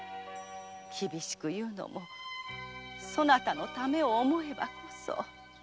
厳しく言うのもそなたのためを思えばこそ。